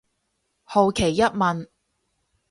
好奇一問